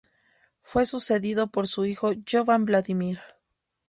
Fue sucedido por su hijo Jovan Vladimir.